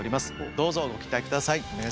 どうぞご期待下さい。